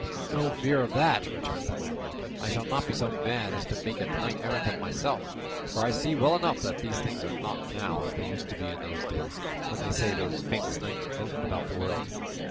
"No fear of that," returned the landlord; "I shall not be so mad as to make a knight errant of myself; for I see well enough that things are not now as they used to be in those days, when they say those famous knights roamed about the world."